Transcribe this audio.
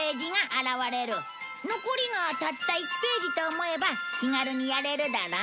残りがたった１ページと思えば気軽にやれるだろ？